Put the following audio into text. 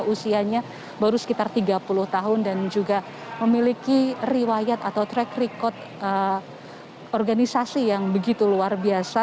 usianya baru sekitar tiga puluh tahun dan juga memiliki riwayat atau track record organisasi yang begitu luar biasa